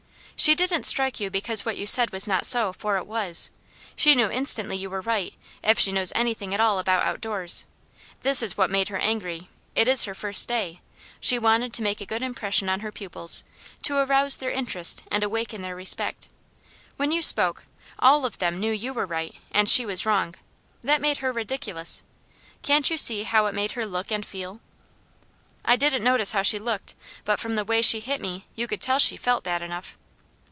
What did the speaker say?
"She didn't strike you because what you said was not so, for it was. She knew instantly you were right, if she knows anything at all about outdoors. This is what made her angry: it is her first day. She wanted to make a good impression on her pupils, to arouse their interest, and awaken their respect. When you spoke, all of them knew you were right, and she was wrong; that made her ridiculous. Can't you see how it made her look and feel?" "I didn't notice how she looked, but from the way she hit me, you could tell she felt bad enough."